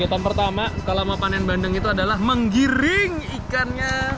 yang pertama kelama panen bandeng itu adalah menggiring ikannya